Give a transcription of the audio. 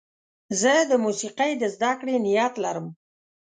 زه د موسیقۍ د زدهکړې نیت لرم.